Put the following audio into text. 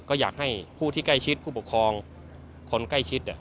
ก็อยากให้ผู้ที่ใกล้ชิดผู้ปกครองคนใกล้ชิด